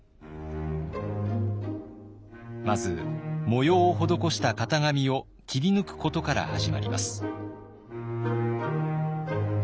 まず模様を施した型紙を切り抜くことから始まります。